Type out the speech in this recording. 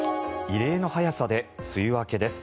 異例の早さで梅雨明けです。